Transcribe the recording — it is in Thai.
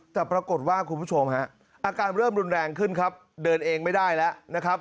แต่ปรากฏว่าคุณผู้ชมฮะอาการเริ่มรุนแรงขึ้นครับเดินเองไม่ได้แล้วนะครับ